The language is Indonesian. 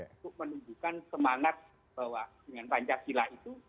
untuk menunjukkan semangat bahwa dengan pancasila itu